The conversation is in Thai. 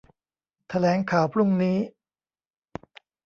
แถลงข่าวพรุ่งนี้